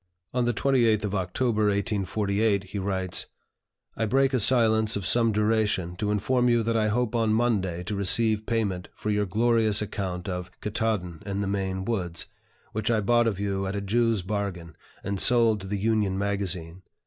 On the 28th of October, 1848, he writes: "I break a silence of some duration to inform you that I hope on Monday to receive payment for your glorious account of 'Ktaadn and the Maine Woods,' which I bought of you at a Jew's bargain, and sold to the 'Union Magazine.'